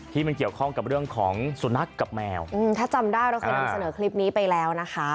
ที่มันเกี่ยวข้องกับเรื่องของสุนัขกับแมวอืมถ้าจำได้เราเคยนำเสนอคลิปนี้ไปแล้วนะคะ